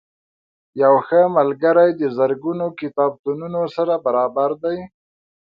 یو ښه ملګری د زرګونو کتابتونونو سره برابر دی.